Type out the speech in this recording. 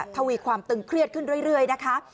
ทวีความตึงเครียดขึ้นเรื่อยนะคะ